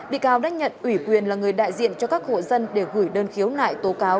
bị cáo đánh nhận ủy quyền là người đại diện cho các hộ dân để gửi đơn khiếu nại tố cáo